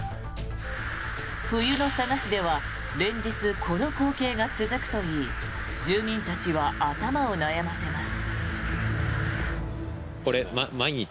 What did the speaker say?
冬の佐賀市では連日、この光景が続くといい住民たちは頭を悩ませます。